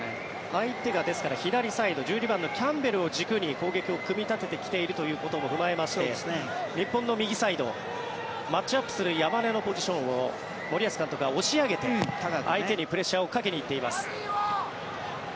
相手が左サイド１２番のキャンベルを軸に攻撃を組み立ててきているということを踏まえまして日本の右サイドマッチアップする山根のポジションを森保監督が押し上げて相手にプレッシャーをかけに行っています。